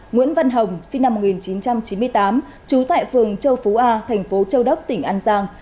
nguyễn văn hồng sinh năm một nghìn chín trăm chín mươi tám trú tại phường châu phú a thành phố châu đốc tỉnh an giang